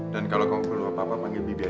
dan kalau kamu perlu apa apa panggil bibi aja ya